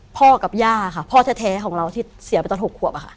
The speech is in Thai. พ่อกับย่าค่ะพ่อแท้ของเราที่เสียไปตอน๖ขวบค่ะ